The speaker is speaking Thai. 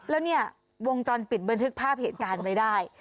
แล้วนี่วงจรปิดเบื้องทึกภาพเหตุการณ์ไปได้